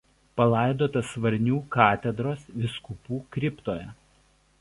Palaidotas Varnių katedros vyskupų kriptoje.